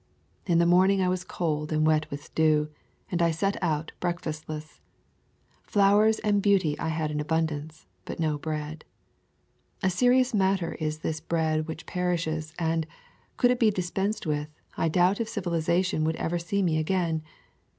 In the morning I was cold and wet with dew, and I set out breakfastless. Flowers and beauty I had in abundance, but no bread. A serious matter is this bread which perishes, and, could it be dispensed with, I doubt if civilization would ever see me again.